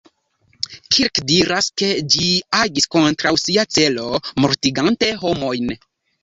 Kirk diras, ke ĝi agis kontraŭ sia celo mortigante homojn.